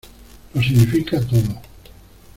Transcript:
lo significa todo.